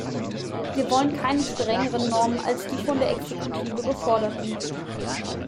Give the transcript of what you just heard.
Wir wollen keine strengeren Normen als die von der Exekutive geforderten.